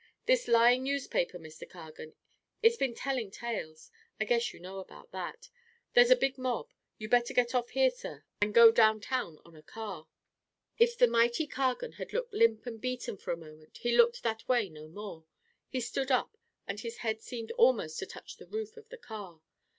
This lying newspaper, Mr. Cargan, it's been telling tales I guess you know about that. There's a big mob. You better get off here, sir, and go down town on a car." If the mighty Cargan had looked limp and beaten for a moment he looked that way no more. He stood up, and his head seemed almost to touch the roof of the car.